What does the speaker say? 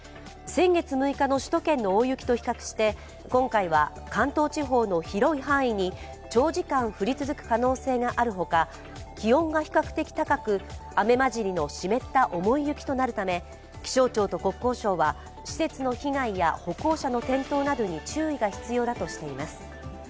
先月６日の首都圏の大雪と比較して今回は関東地方の広い範囲に長時間降り続く可能性があるほか気温が比較的高く、雨混じりの湿った重い雪となるため、気象庁と国交省は、施設の被害や歩行者の転倒などに注意が必要だとしています。